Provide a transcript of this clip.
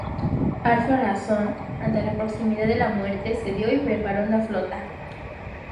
Ar-Pharazôn, ante la proximidad de la muerte, cedió y preparó una flota.